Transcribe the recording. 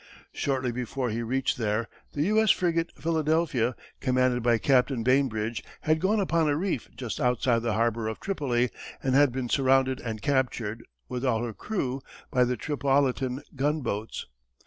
Shortly before he reached there, the U.S. frigate Philadelphia, commanded by Captain Bainbridge, had gone upon a reef just outside the harbor of Tripoli and had been surrounded and captured, with all her crew, by the Tripolitan gunboats.